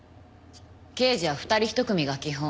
刑事は２人一組が基本。